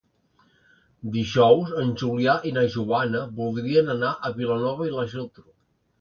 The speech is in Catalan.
Dijous en Julià i na Joana voldrien anar a Vilanova i la Geltrú.